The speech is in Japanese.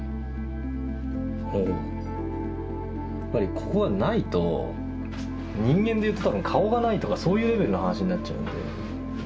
やっぱりここはないと人間で言ったら顔がないとかそういうレベルの話になっちゃうんで。